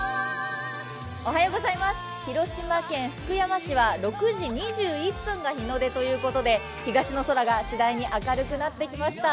広島県福山市は６時２１分が日の出ということで東の空がしだいに明るくなってきました。